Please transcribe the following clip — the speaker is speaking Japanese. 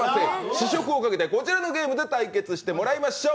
試食をかけてこちらのゲームで対決してもらいましょう。